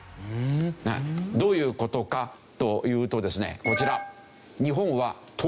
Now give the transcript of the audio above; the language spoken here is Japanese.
どういう事かというとですねこちら。